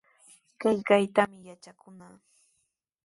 Qillqaytami yatrakunaa.